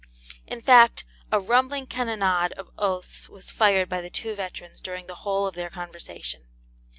In fact, a rumbling cannonade of oaths was fired by the two veterans during the whole of their conversation.